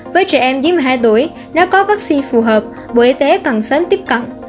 với trẻ em dưới một mươi hai tuổi nếu có vaccine phù hợp bộ y tế cần sớm tiếp cận